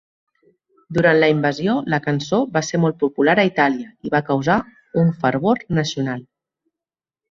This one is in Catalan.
Durant la invasió, la cançó va ser molt popular a Itàlia i va causar un fervor nacional.